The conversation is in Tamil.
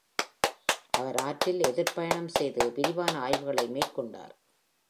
அவர் ஆற்றில் எதிர் பயணம் செய்து விரிவான ஆய்வுகளை மேற்கொண்டார்.